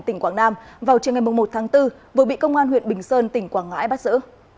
tỉnh quảng nam vào chiều ngày một tháng bốn vừa bị công an huyện bình sơn tỉnh quảng ngãi bắt giữ